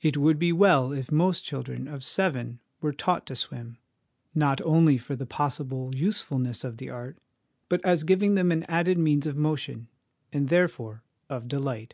It would be well if most children of seven were taught to swim, not only for the possible usefulness of the art, but as giving them an added means of motion, and, there fore, of delight.